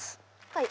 はい。